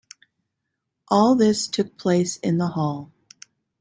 All this took place in the hall.